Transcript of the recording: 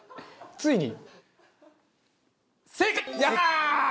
ついに？正解！